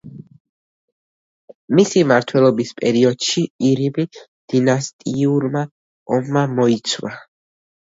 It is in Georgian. მისი მმართველობის პერიოდში ყირიმი დინასტიურმა ომმა მოიცვა.